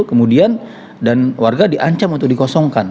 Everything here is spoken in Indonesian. kemudian dan warga diancam untuk dikosongkan